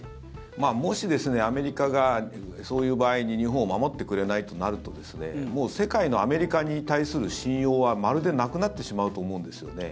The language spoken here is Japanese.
もし、アメリカがそういう場合に日本を守ってくれないとなると世界のアメリカに対する信用はまるで、なくなってしまうと思うんですよね。